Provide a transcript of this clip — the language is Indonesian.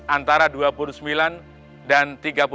antara dua puluh sembilan dan tiga puluh delapan